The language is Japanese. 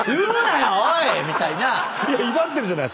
いや威張ってるじゃないですか。